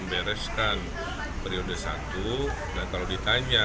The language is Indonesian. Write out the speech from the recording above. keren sekali mempunyai tali